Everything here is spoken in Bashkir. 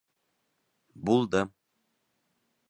Булды!